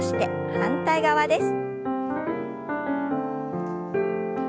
反対側です。